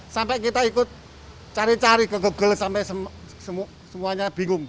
sampai kita ikut cari cari ke google sampai semuanya bingung